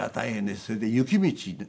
それで雪道。